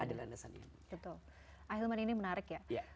akhilman ini menarik ya